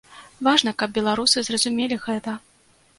Важна, каб беларусы зразумелі гэта.